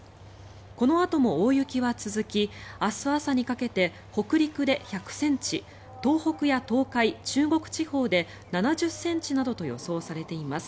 このあとも大雪は続き明日朝にかけて北陸で１００ｃｍ東北や東海、中国地方で７０ｃｍなどと予想されています。